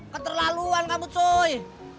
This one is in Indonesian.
keterlaluan kamu cuy